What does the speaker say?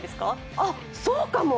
あ、そうかも。